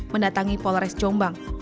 mendatangi polres jombang